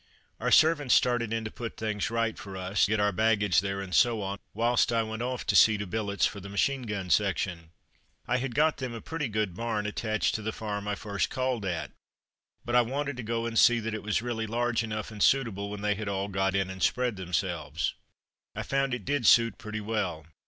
Our servants started in to put things right for us, get our baggage there, and so on, whilst I went off to see to billets for the machine gun section. I had got them a pretty good barn, attached to the farm I first called at, but I wanted to go and see that it was really large enough and suitable when they had all got in and spread themselves. I found that it did suit pretty well.